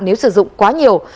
nếu sử dụng quá nhiều